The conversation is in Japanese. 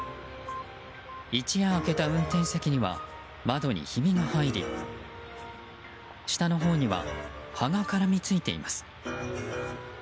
一夜明けた運転席には窓に、ひびが入り下のほうには葉が絡みついています。